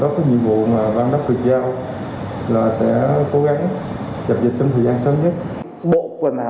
các nhiệm vụ mà ban giám đốc vượt giao là sẽ cố gắng chăm dịch trong thời gian sớm nhất